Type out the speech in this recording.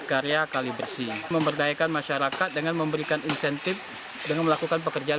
karya kali bersih memberdayakan masyarakat dengan memberikan insentif dengan melakukan pekerjaan